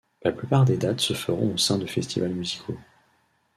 La plupart des dates se feront au sein de festivals musicaux.